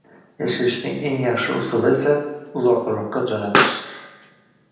Yashirishning eng yaxshi usuli esa – uzoqroqqa jo‘natish.